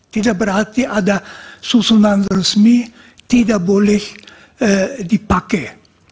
tidak berarti ada susunan resmi tidak boleh dipakai